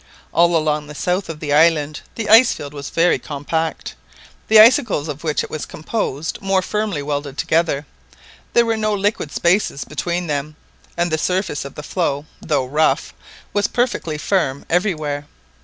All along the south of the island the ice field was very compact, the icicles of which it was composed were more firmly welded together, there were no liquid spaces between them, and the surface of the floe, though rough, was perfectly firm everywhere.